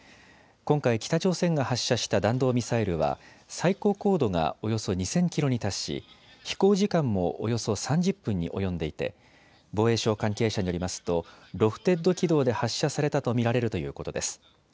今回、北朝鮮が発射した弾道ミサイルは、最高高度がおよそ２０００キロに達し飛行時間もおよそ３０分に及んでいて防衛省関係者によりますとロフテッド軌道で発射されたと見られるということです。